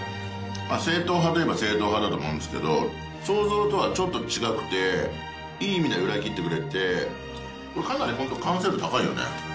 正統派といえば正統派だと思うんですけど想像とはちょっと違くていい意味で裏切ってくれてかなりホント完成度高いよね。